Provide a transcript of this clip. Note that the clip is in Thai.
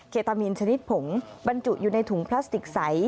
ตามีนชนิดผงบรรจุอยู่ในถุงพลาสติกใส